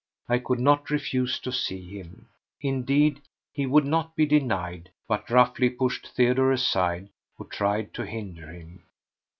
I could not refuse to see him. Indeed, he would not be denied, but roughly pushed Theodore aside, who tried to hinder him.